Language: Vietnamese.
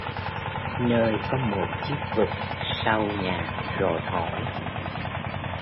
Nơi có một chiếc vực sau nhà rồi hỏi